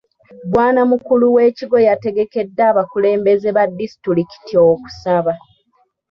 Bwanamukulu w'ekigo yategekedde abakulembeze ba disitulikiti okusaba.